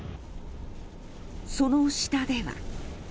その下では。